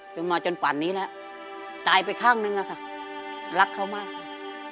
จนมาจนป่านนี้แล้วตายไปข้างนึงอะค่ะรักเขามากเลย